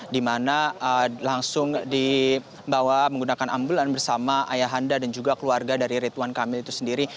di mana langsung dibawa menggunakan ambulan bersama ayah anda dan juga keluarga dari rituan kamil itu sendiri